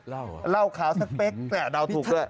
เล่าข่าวสักเป็นแต่เดาถูกด้วย